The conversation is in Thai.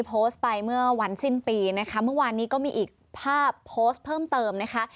โพสต์ไปเมื่อวันสิ้นปีนะคะเมื่อวานนี้ก็มีอีกภาพโพสต์เพิ่มเติมนะคะ